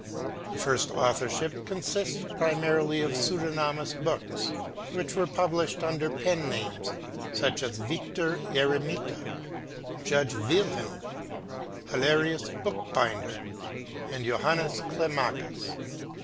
The first authorship consists primarily of pseudonymous works which were published under pen names such as Victor Eremita, Judge William, Hilarius Bookbinder, and Johannes Climacus.